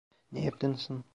Ne yaptın sen?